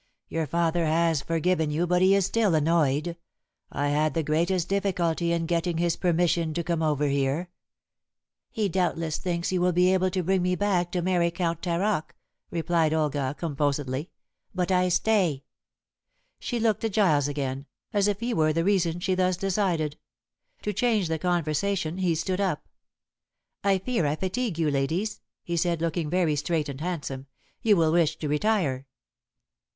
"Your father has forgiven you, but he is still annoyed. I had the greatest difficulty in getting his permission to come over here." "He doubtless thinks you will be able to bring me back to marry Count Taroc," replied Olga composedly, "but I stay." She looked at Giles again, as if he were the reason she thus decided. To change the conversation he stood up. "I fear I fatigue you ladies," he said, looking very straight and handsome. "You will wish to retire."